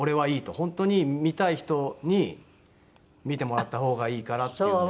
「本当に見たい人に見てもらった方がいいから」っていうので。